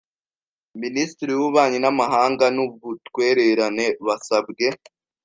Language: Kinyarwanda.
Minisitiri w Ububanyi n Amahanga n Ubutwererane basabwe